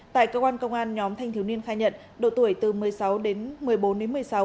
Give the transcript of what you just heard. tại cơ quan công an nhóm thanh thiếu niên khai nhận độ tuổi từ một mươi sáu đến một mươi bốn đến một mươi sáu